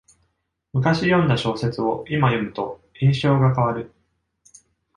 むかし読んだ小説をいま読むと印象が変わる